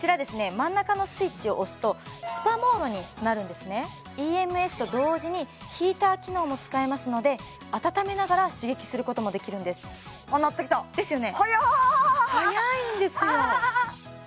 真ん中のスイッチを押すとスパモードになるんですねＥＭＳと同時にヒーター機能も使えますので温めながら刺激することもできるんですですよね早いんですよ